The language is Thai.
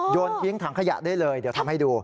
ทิ้งถังขยะได้เลยเดี๋ยวทำให้ดู